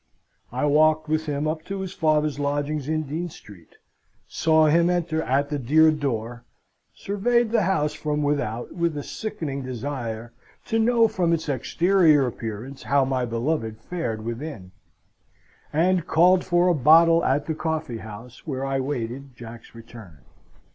I walked with him up to his father's lodgings in Dean Street; saw him enter at the dear door; surveyed the house from without with a sickening desire to know from its exterior appearance how my beloved fared within; and called for a bottle at the coffee house where I waited Jack's return.